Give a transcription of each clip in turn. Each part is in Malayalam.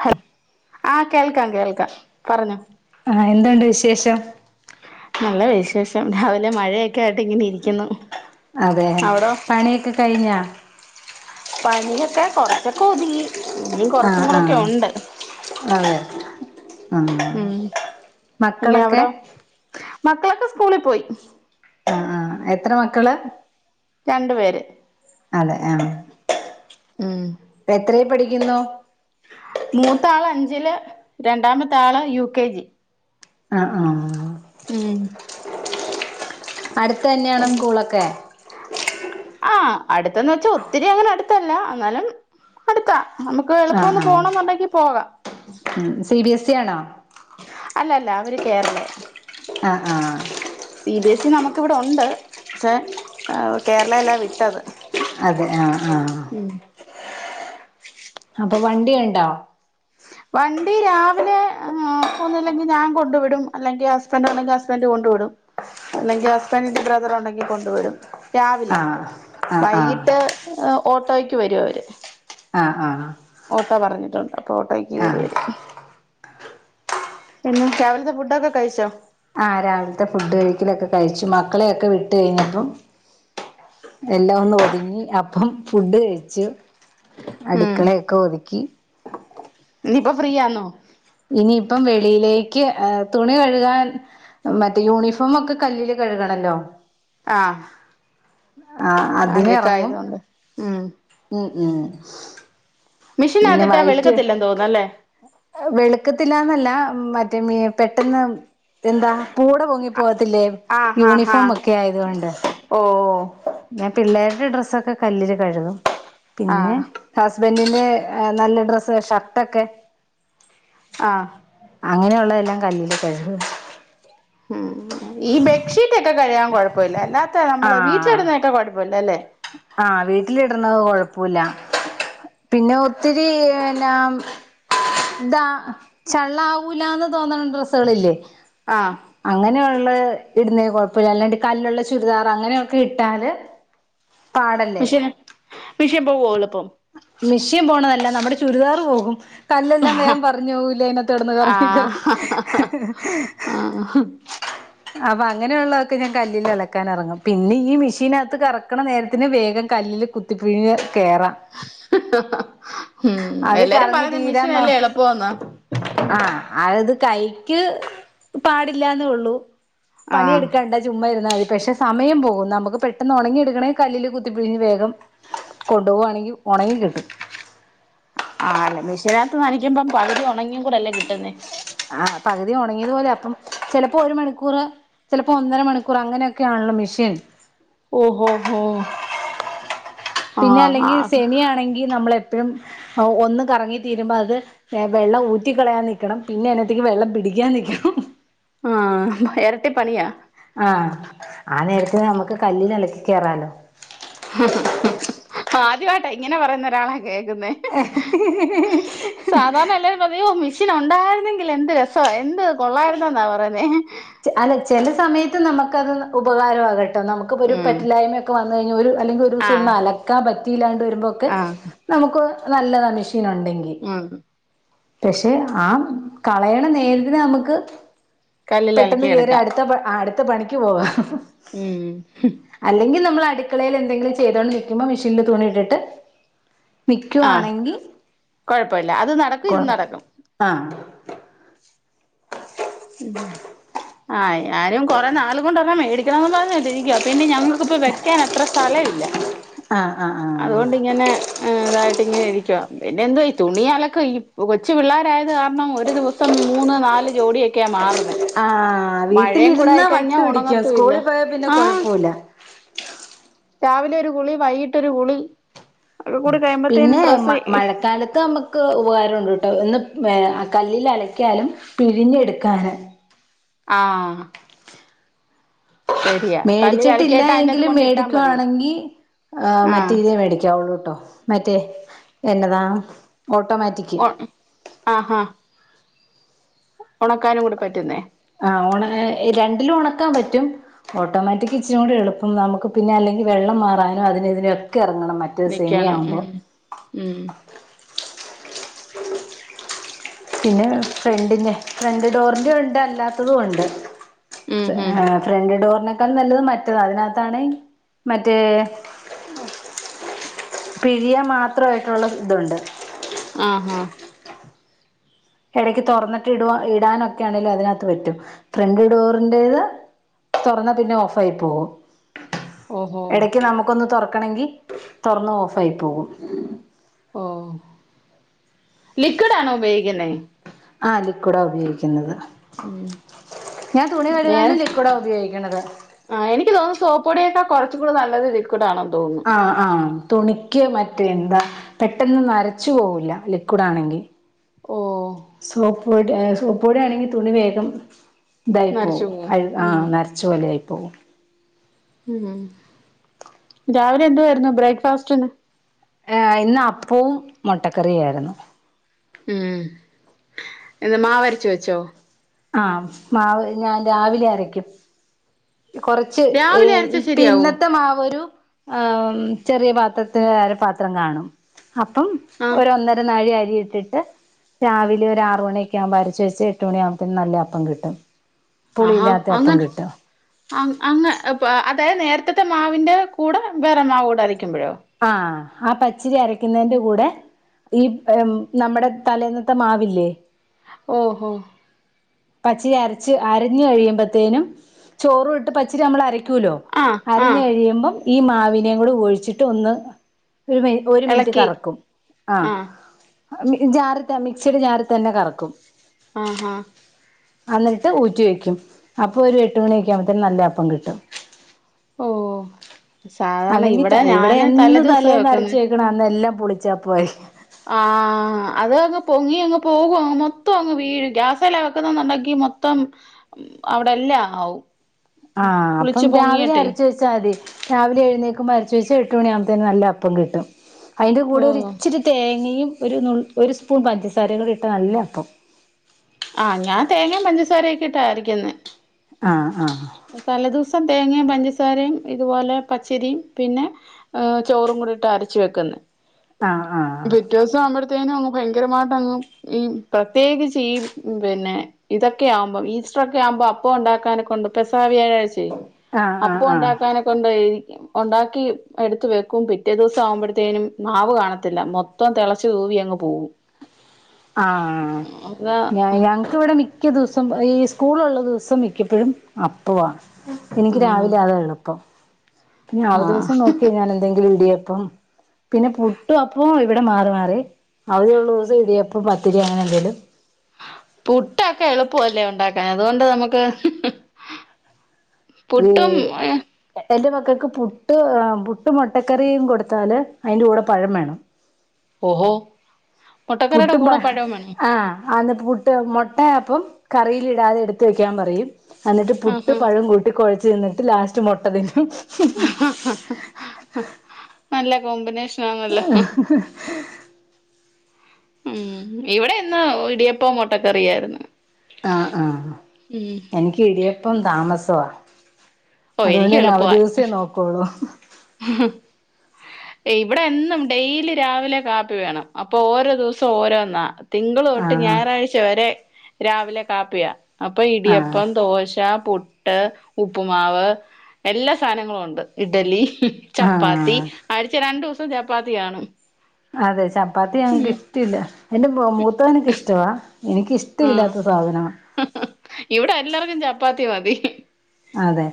ഹ ആഹ കേൾക്കാ കേൾക്കാ പറഞ്ഞോ ആഹ എന്ത്ണ്ട് വിശേഷം നല്ല വിശേഷം രാവിലെ മഴയൊക്കെ ആയിട്ട് ഇങ്ങനെ ഇരിക്കുന്നു അതെ അവിടോ പണിയൊക്കെ കഴിഞ്ഞോ പണിയൊക്കെ കൊറച്ചൊക്കെ ഒതുങ്ങി ഇനിയും ആ കൊറച്ചും ആ കൂടൊക്കെ ഉണ്ട് അതെെ ആ ഉം പിന്നെ മക്കളൊക്കെ അവിടോ മക്കളൊക്കെ സ്കൂളിൽ പോയി അ [unintelligible] രണ്ടു പേര് അല്ലെ ആ ഉം പഠിക്കുന്നു മൂത്താള് അഞ്ചില് രണ്ടാമത്തെ ആള് യു കെ ജി ആ ആ ഉം അടുത്ത തന്നെയാണ് സ്കൂളൊക്കെ അടുത്ത വച്ചാൽ ഒത്തിരി അങ്ങന അടു ത്തല്ല എന്നാലും അടുത്ത നമുക്ക് എളുപ്പം ആഹ് ഒന്ന് ആഹ് പോണം എന്നുണ്ടെങ്കി പോകാം ഉം [unintelligible] അല്ലല്ല അവര് കേരള ആഹ് ആ സി ബി എസ് ഇ നമുക്കിവിടെ ഉണ്ട് ക്ഷേ കേരളല്ലാ വിട്ടത് അതെ ആ ഉം. അപ്പൊ വണ്ടിയുണ്ടോ? വണ്ടി രാവിലെ ഒന്നല്ലെങ്കിൽ ഞാൻ കൊണ്ടു വിടും അല്ലെങ്കിൽ ഹസ്ബൻഡ് ഉണ്ടെങ്കിൽ ഹസ്ബൻഡ് കൊണ്ടു വിടും. അല്ലെങ്കിൽ ഹസ്ബൻഡന്റെ ബ്രദറ് ഉണ്ടെങ്കിൽ കൊണ്ടു വിടും. രാവിലെ, ആഹ് ആഹ് ആഹ് വൈകിട്ട് ഓട്ടോയ്ക്ക് വരുവായിരുന്നു ആ ആ ഓട്ടോ പറഞ്ഞിട്ടുണ്ട് ഓട്ടോക്ക് കേറി വരും പിന്നെ രാവിലത്തെ ഫുഡൊക്കെ കഴിച്ചോ ആ രാവിലത്തെ ഫുഡ് കഴിക്കലൊക്കെ കഴിച്ചു മക്കളെയൊക്കെ വിട്ട കഴിഞ്ഞപ്പം എല്ലാം ഒന്ന് ഒതുങ്ങി അപ്പം ഫുഡ് കഴിച്ചു ഉം അടുക്കളയൊക്കെ ഒതുക്കി ഇനിയിപ്പോ ഫ്രീ ആന്നോ ഇനിയിപ്പം വെളിയിലേക്ക് തുണി കഴുകാൻ മറ്റേ യൂണിഫോം ഒക്കെ കല്ലില് കഴുകണല്ലോ ആ ആ അതിന് ഇറങ്ങും ആക്കായതൊണ്ട് ഉം ഉം ഉം പിന്നെ മിഷീനകത്തിട്ടാ വൈറ്റ് വെളുക്കത്തില്ലെന്ന് തോന്നുന്നല്ലേ വെളുക്കത്തില്ലാന്നല്ല മറ്റേ പെട്ടെന്ന് എന്താ കൂടെ പൊങ്ങി പോവത്തില്ലേ ആഹ് ആഹ് യൂണിഫോം ആഹ് ഒക്കെ ആയതുകൊണ്ട് ഓഹ് ഞാൻ പിള്ളേരുടെ ഡ്രസ്സൊക്കെ കല്ലില് കഴുകും പിന്നെ ആഹ് ടാസ് ഹസ്ബറിന്റെ നല്ല ഡ്രസ്സ് ഷർട്ടൊക്കെ ആഹ് അങ്ങനെയുള്ളതെല്ലാം കല്ലല് കഴുകും ഉം ഈ ബെഡ്ഷീറ്റ് ഒക്കെ കഴുകാൻ കുഴപ്പമില്ല അല്ലാത്തെ നമ്മള് വീട്ടിലിടുന്നതൊക്കെ കുഴപ്പമില്ല ല്ലോ അല്ലേ ആ വീട്ടിലിടണത് കൊഴപ്പവില്ല പിന്നെ ഒത്തിരി എന്നാ ഇതാ ചള്ളാവൂലാന്ന് തോന്നണ ഡ്രസ്സുകളില്ലേ ആഹ് അങ്ങനെയുള്ള ഇടുന്ന കുഴപ്പമില്ല അല്ലാണ്ട് കല്ലുള്ള ചുരിദാറ് അങ്ങനെയൊക്കെ ഇട്ടാല് പാടല്ലേ മിഷ്യൻ മിഷ്യൻ പോകും എളുപ്പം മെഷ്യൻ പോണതല്ല നമ്മുടെ ചുരിദാർ പോകും കല്ലെല്ലാം വേഗം പറിഞ്ഞ് പോകില്ലേ ഇതിനകത്ത് കിടന്ന് കറങ്ങി ആഹ് കറങ്ങി ആഹ് അപ്പൊ അങ്ങനെയുള്ളതൊക്കെ ഞാൻ കല്ലിൽ അലക്കാൻ ഇറങ്ങും പിന്നെ ഈ മെഷിനകത്ത് കറക്കണ നേരത്തിന് വേഗം കല്ലില് കുത്തിപ്പിഴിഞ്ഞ് കയറാം ഉം എല്ലാരും കറങ്ങി പറയണത് മിഷീൻ തീരാൻ നോ അല്ലേ എളുപ്പോന്നാ ആഹ് അത് കൈക്ക് പാടില്ലാന്നേ ഉള്ളൂ ആഹ് പണിയെടുക്കണ്ടാ ചുമ്മാ ഇരുന്നാ മതി പക്ഷെ സമയം പോകും നമുക്ക് പെട്ടെന്ന് ഒണങ്ങി എടുക്കണെങ്കിൽ കല്ലില് കുത്തിപ്പിഴിഞ്ഞ് വേഗം കൊണ്ടുപോകുവാണെങ്കിൽ പ്പെ ഒണങ്ങി കിട്ടും ജലാത്തു നനക്കുമ്പം പകുതി ഉണങ്ങിയും കൂടെല്ലേ കിട്ടുന്നേ ആ പൾ ഒണങ്ങിയത് പോലെ അപ്പം ചിലപ്പോ ഒരു മണിക്കൂർ ചിലപ്പോ ഒന്നര മണിക്കൂർ അങ്ങനെയൊക്കെയാണല്ലോ മെഷീൻ ഓഹോ ഹോ പിന്നെ ആഹ് അല്ലെങ്കി ആഹ് സെമിയാണെങ്കി നമ്മളെ പ്പഴും ഒന്ന് കറങ്ങി തീരുമ്പോ അത് വെള്ളം ഊറ്റിക്കളയാൻ നിൽിക്കണം പിന്നെ അതിനത്തേക്ക് വെള്ളം പിടിക്കാൻ നൽക്കണം ഹി ഹി ആഹ എരട്ടി പണിയാ ആ ആ നേരത്ത് നമുക്ക് കല്ലിലലക്കി കേറാല്ലോ ദ്യായിട്ട ഇങ്ങനെ പറയുന്നരാളയി വെകുന്നേ ഹെ ഹെ സാധാരണ എല്ലാരും അതയോ മെഷീൻ ഉണ്ടായിരുന്നെങ്കിൽ എന്ത് രസം എന്ത് കൊള്ളായിരുന്നന്നാ പറയുന്നേ ചെ അല്ല ചെല സമയത്ത് നമുക്കത് ഉപകാരമാക നമുക്ക് പ്പ ഒരു ഉം പറ്റില്ലായിമ ഒക്കെ വന്ന ട്ടോ നയെഞ്ഞൊരു അല്ലെങ്കിൽ ഒരുസം ഒന്ന് ആഹ് അലക്കാൻ പറ്റ ദിലാൽ വരുമ്പോക്കെ ആഹ് നമുക്കോ അനല്ലതമിഷ നുണ്ടെങ്കിൽ ഉം പക്ഷെ ആ കളയണ നേരിട്ടനമുക്ക് കല്ലിൽ പെട്ടെന്ന് അലക്കി കേറി എടുക്കാം അടുത്ത പ്പ ആ ട് പ്പണിക്ക് പോവാം ഹ ഹ ഹ ഉം ഹും അടുക്കളയിൽ എന്തെങ്കിലും ചെയ്തോണ്ട് നൽക്കുമോ മെഷീന് തുണി ഇട്ടിട്ട് ആ നിക്കുവാണെങ്കിൽ കൊഴപ്പില്ല അത് നടക്കും കൊ ഇത് നടക്കും ആഹ് ആ് ആരും കുറെേ നാൾ കൊണ്ടൊല്ലാം മേടിക്കണംന്ന് പറഞ്ഞ ഇരിക്കുവ പിന്നെ ഞങ്ങൾക്കിപ്പോ വെക്കാൻ അത്ര സ്ഥലമില്ല ആഹ് ആഹ് ആഹ് അതോണ്ടിങ്ങനെ ഏ ഇതായി ഇങ്ങനെരിക്ക പിന്നെ എന്തോ തുണിയാലൊക്കെ ഈ കൊച്ചു പിള്ളോരായത് കാരണം ഒരു ദിവസം മൂന്ന് നാല് ജോഡിയൊക്കെയ മാർ ആഹ വീട്ടിലിരുന്നാ വട്ട് പിടിക്കും ഉണങ്ങത്തുല്ല സ്കൂളിൽ പോയാ പിന്നെ ആഹ് കൊഴപ്പൂല്ല രാവിലെ ഒരു ഗളി വൈകിട്ടൊരു കുളി ഒക്കെ കൂടി കഴിയുമ്പത്തേനും പിന്നെ മ ഡ്രസ്സ് മഴക്കാലത്ത് നമുക്ക് ഉപകാരു ണ്ട് ട്ടോ ഇന്ന് ഏ കല്ലില് അലയ്ക്കാലും പിഴിഞ്ഞെടുക്കാന് ആ മേടിച്ചിട്ടില്ല അലക്കിയിട്ട് അതിന്റെകത്ത് എങ്കിലും കൊണ്ടിട്ടാ മതി മേടിക്കുവാണെങ്കി ആ മറ്റ ആഹ് ഇതേ മേടിക്കാവുള്ളൂ കേട്ടോ മറ്റേ എന്നതാ ഓട്ടോമാറ്റിക് ആഹഹാ ഉണക്കാനും കൂടി പറ്റുന്നേ ആണ രണ്ടിലും ഉണക്കാൻ പറ്റും ഓട്ടോമാറ്റിക് ഇച്ചിനും കൂടി എളുപ്പം നമുക്ക് പിന്നെ അല്ലെങ്കിൽ വെള്ളം മാറാനോ അതിന ഇതിന ഒക്കെ മറ്റ സേമിയ നിക്കണം ഉം ആവുമ്പോൾ ഉം പിന്നെ ഫ്രണ്ടിന്റെ ഫ്രണ്ട് ഡോറിന്റെറെ ഉണ്ട് അല്ലാത്തതും ഉണ്ട് ഉം ഉം ഫ്രണ്ട് ഡോറിന ആക്കും നല്ലത് മറ്റത അതിനകത്താണ് മറ്റേ പിഴിയ മാത്രയിട്ടുള്ള ഇതുണ്ട് ആഹ ആഹ ഇടക്ക് തുറന്നിട്ട് ഇട ഇടാനൊക്കൊണെലും അതിനകത്ത് പറ്റും ഫ്രണ്ട് ഡോറിറേത് തുറന്നാ പിന്നെ ഓഫ് ആയി പോകും ഓഹോ ഇടക്ക് നമുക്കൊന്ന് തുറക്ക ണെങ്കി തുറന്ന് ഓഫയി പോകും ഓ ലിക്വിഡ് ആണോ ഉപയോഗിക്കുന്നേ ആ ലിക്ഡാ ഉപയോഗിക്കുന്നത് ഉം ഞാൻ തുണി വഴുകെ ലക്കൂഡാ ഉപയോഗിക്കും ത് ആ് എനിക്ക് തോന്ന സപ്പൊടിയൊക്കെ കുറച്ചും കൂടി നല്ലത് ഇൽക്കൂടാണോ ആഹ ആഹ തുണിക് മറ്റേ എന്താ പെട്ടെന്ന് നരച്ചു പോവൂല്ല ലിക്വിഡ് ആണെങ്കിൽ ഓഹ് സ്ലോക [unintelligible] സോ പൊടി ആണെങ്കിൽ തുണി വേഗം ഇതായിപ്പോ നരച്ചു പോവും അ ആഹ് നരച്ച പോലെ ആയിപ്പോ പ്പോ ഉ രാവിലെ എന്ത് വരുന്നു ബ്രേക്ക്ഫാസ്റ്റന്ന് ഏഹ് ഇന്ന് അപ്പവും മുട്ടക്കറിയാ യിരുന്നു ഉം എാ മാവ് അരച്ച് വെച്ചോ? ആഹ മാവ ഞാൻ രാവിലെ അരയ്ക്കും കുറച്ച് ഏ രാവിലെ അരച്ച ശരിയാവോ പിന്നത്തെ മാവൊരു ആഹ്ചെറിയ പാത്രത്തി അര പാത്രം കാണും അപ്പം ആഹ് ഒരു ഒന്നര നാഴി ആയി ഇട്ടിട്ട് രാവിലെഒരുആറുമണിയൊക്കആകുമ്പ അരച്ചു വെച്ച് എട്ടുമണിയാവുമ്പത്തിന്ന നല്ല അപ്പം കിട്ടും പുളിയില്ലാത്ത അപ്പം കിട്ടും അ അങ്ങ് അ അതായത് നേരത്തെ മാവിന്റെ കൂടെ വേറെ മാവ് കൂടെ ആയിരിക്കുമ്പോഴോ? ആഹ്ആ പച്ചിരി അരക്കുന്നന്റെ കൂടെ ഈ നമ്മുടെ തലേന്നത്തെ മാവില്ലേ? ഓഹോ പച്ചിരി അരച്ച് അരഞ്ഞ കഴിയുമ്പത്തേനും ചോറും ഇട്ട് പച്ചിരി നമ്മൾ അര ലോ ആഹ് അരഞ്ഞ ആഹ് കഴിയുമ്പം ഈ മാവിനേയും കൂടെ ഒഴിച്ചിട്ട് ഒന്ന് ഒരു മ ഒരു മിനിറ്റ് എളക്കി കറക്കും ആഹ് മി ജാറ്ത്തെ മിക്സിടെ ജാറി തന്നെ കറക്കും ആഹാ അന്നിട്ട് ഊറ്റി വെക്കും അപ്പൊ ഒരു എട്ട് മണി ഒക്കെ ആകുമ്പത്തേ നല്ല അപ്പം കിട്ടും ഓഹ് സാധാരണ അല്ലെങ്കി ത ഇവിടെ ഞാന് എന്ന് തലേദിവസാ തലേന്ന് വെക്കുന്നെ അരച് വെക്ന്നോ അന്ന് എല്ലാം പുളിച്ചാ പോയി ആഹ് അത് അങ്ങ് പൊങ്ങിഅങ്ങ് പോകും അങ് മൊത്തം അങ്ങ് വീഴു ഗ്യാസെലാ വെക്കുന്നന്നുണ്ടെങ്കി മൊത്തം അവിടെ എല്ലാം ആവും ആഹ് അപ്പം പുളിച്ചു രാവിലെ പൊങ്ങിയിട്ടെ അരച്ച് വെച്ചാൽ മതി രാവിലെ എഴുന്നേക്കുമ്പം അരിച്ച് വെച്ചാ എട്ടുമണിയാവുമ്പത്തേനും നല്ല അപ്പം കിട്ടും. അയിൻ്റെ ഓ കൂടെ ഒരു ഇച്ചിരി തേങ്ങയും ഒരു നുള് ഒരു സ്പൂൺ പഞ്ചസാരേം കൂടി ഇട്ടാ നല്ല യപ്പം ആഹ് ഞാൻ തേങ്ങേം പഞ്ചസാരയൊക്കെ ഇട്ടാ അരക്ക്ന്നെ. ആഹ് ആഹ് തലേ ദുവ് സം തേങ്ങയും പഞ്ചസാരയും ഇതുപോലെ പച്ചരിയും പിന്നെ ചോറും കൂടി ഇട്ട് അരച്ച് വെക്കുന്നെ. ആഹ് ആഹ് ത്തേനും അങ്ങ് ഭയങ്കരമായിട്ടങ്ങ് ഈ പ്രത്യേകിച്ച് ഈ പിന്നെ ഇതൊക്കെ ആകുമ്പം ഈസ്റ്ററൊക്കെ ആവുമ്പം അപ്പം ഉണ്ടാക്കാനെ കൊണ്ടും പെസാ വ്യാഴാഴ്ച്ചേ ആഹ് അപ്പൊ ആഹ് ആഹ് ഉണ്ടാക്കാനൊക്കൊണ്ടേ ഉണ്ടാക്കി എടുത്ത് വെക്കും. പിറ്റേ ദിവസം ആവുമ്പഴ്ത്തേനും മാവ് കാണത്തില്ല. മൊത്തം തിളച്ചു തൂവി അങ്ങ് പോവും. ആ അതാ ഞ ഞങ്ങക്കിവിടെ മിക്ക ദിവ സും ഈ സ്കൂളുള്ള ദിവസം മിക്കപ്പഴും അപ്പവാണ്. എനിക്ക് ആഹ് രാവിലെ അതാ എളുപ്പം. പിന്നെ അവധി ആഹ് ദിവസം നോക്കിയാ ഞാനെന്തെങ്കിലും ഇടിയ പ്പം പിന്നെ പുട്ടും അപ്പവും ഇവിടെ മാറി മാറി അവധിയുള്ള ദിവസം ഇടിയപ് പ്പ പത്തിരി അങ്ങനെ എന്തെലും പുട്ടൊക്കെ എളുപ്പവല്ലേ ഒണ്ടാക്കാൻ അതുകൊണ്ട് നമ്മക്ക് ഏഹ് എന്റെ മ ക്കക്ക് പുട്ട് ആഹ് പുട്ടും മൊട്ടക്കറിയും കൊടുത്താല് അയിന്റെ കൂടെ പഴം വേണം ഓഹോ മുട്ടക്കറിയുടെ പുട്ടും പ കൂടെ പഴവും വേണോ ആഹ് ആന്ന് പുട്ട് മൊട്ടയെ അപ്പം കറിയില് ഇടാതെ എട്ത്ത് വെയ്ക്കാൻ പറയും എന്ന്ട്ട് പുട്ടും ആഹാ പഴവും കൂട്ടി കൊഴച്ച് തിന്ന്ട്ട് ലാസ് റ്റ് മൊട്ടതിന്നും [unintelligible] നല്ല കോമ്പിനേഷൻ ആണല്ലോ ആ ഉം ഇവിടെ ഇന്ന് ഇടിയപ്പ മുോട്ടക്കറിയായിരുന്നു ആ ആഹ എനിക്ക് ഇടിയപ്പം താമസം സോ ഓ എനിക്ക് അതുകൊണ്ട്ന്നെ അവ എളുപ്പമായി ദിവസമേ നോക്കോളൂ ഇവിടെ എന്നും ഡെയിലി രാവിലെ കാപ്പി വേണം അപ്പൊ ഓരോ ദിവസം ഓരോന്നാ തിങ്കള തൊട്ട് ആഹ് ഞായറാഴ്ച വരെ രാവിലെ കാപ്പിയ അപ്പൊ ആഹ് ഇടിയപ്പം ദോശ പുട്ട് ഉപ്പുമാവ് എല്ലാ സാധനങ്ങളും ഉണ്ട് ഇഡലി ഉ ചപ്പാത്തി ആഹ് അഴച രണ്ടു ദിവസം ചപ്പാത്തിയാണ് അതെ ച അപ്പ അത് ഞ കിഷില്ല എന്റെ മൂത്ത എനക്ക് ഇഷ്ടവാ ആഹ് എനിക്കിഷ്ടമില്ലാത്ത സാധനമാണ് പാത്തി പതി അതെ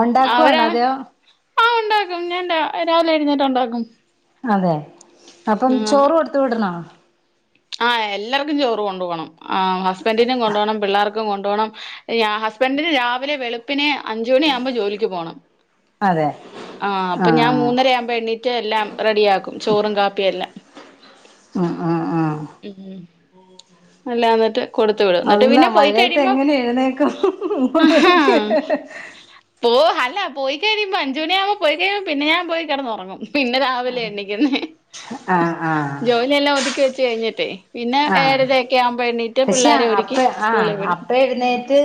ഉണ്ടാക്കുവാണോ അതോ ആ ഉണ്ടാക്കും ഞാൻ രാവിലെ എഴുന്നേട്ട ഉണ്ടാക്കും അതെ അപ്പം ചോറ് കൊടുത്ത വിടണോ ആ എല്ലാർക്കും ചോറ് കൊണ്ടു പോോകണം ആ് ഹസ്ബൻറിിനും കൊണ്ട പോണം പിള്ളേർക്ക് ം കൊണ്ടുപോണം ഹസ്ബൻറിിന് രാവിലെ വെളുപ്പിന് അഞ്ചുമണി ആകുമ്പോ ജോലിക്ക് പോകണം അതെ ആഹ അപ്പൊ ഞാൻ ആഹ് മൂന്നര ആുമ്പോ എണ്ണീറ്റ്് എല്ലാം റെഡിയ ആാക്കും ചോറും കാപ്പിയും എല്ലാം ഉം ഉം ഉം ഉം അല്ല എന്നിട്ട് കൊടുത്തു വിട എന്നിട്ട് അള്ളാ പിന്നെ മഴയത്ത് പോയിക്കഴിയുമ്പോ എങ്ങനെ എഴുന്നേക്കും പോ അല്ല പോയി ുമ്പ അഞ്ച മണിയാവുമ്പ പോയിഴ പിന്നെ ഞാ പോയി കിന്ന്ുറങ്ങും പിന്നെ രാവിലെ എണ്ണിക്കുന്ന ആഹ് ആഹ് ജോലിയെല്ലാം ഒതുക്കി വെച്ച റ്റ് കഴിഞ്ഞിട്ടേ പിന്നെ ആഹ് ഏഴരരക്കെ ആവുമ്പെ എണീറ്റ് പക്ഷെ പിള്ളേരെ ഒര്ക്കി സ്കൂള് വിട് ക്ക്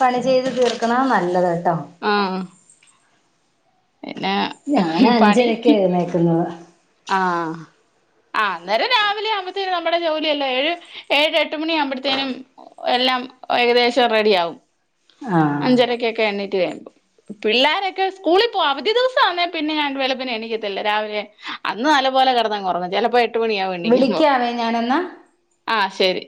പണി ചെയ്ത് തീർക്കണാ നല്ലത് ആഹ് പിന്നെ ഞാന് പണി അഞ്ചരക്ക് എഴുന്നേക്കുന്നു ആഹ് ആഹ് അന്നേരം രാവിലെ ആവുമ്പത്തേനും നമ്മുടെ ജോലിയല്ലാ ഏഴ്, ഏഴ്, എട്ട് മണിയാവുമ്പട്ത്തേനും എല്ലാം ഏകദേശം റെഡിയാവും ആഹ് അഞ്ചരക്കൊക്കെ എണീ റ്റ് കയ്യുമ്പം. പിള്ളാരൊക്കെ സ്കൂളിൽ പോവാ അവധി ദിവസം ആന്നേ പിന്നെ ഞാൻ വെളുപ്പിനെ എണീക്കത്തില്ല രാവിലെ അന്ന് നല്ല പോലെ കെടന്നങ്ങ് ഒറങ്ങും ചെലപ്പോ എ ട്ട് മണിയാവും എണീക്കുമ്പോ. വിളിക്കാവേ ഞാനെന്നാ ആഹ് ശരി